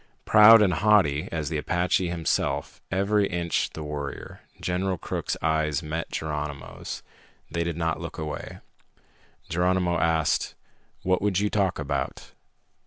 Proud and haughty as the Apache himself, every inch the warrior, General Crook's eyes met Geronimo's. They did not look away. Geronimo asked, "What would you talk about?"